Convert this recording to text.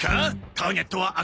ターゲットは赤！